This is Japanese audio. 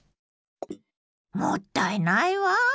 もったいないわ。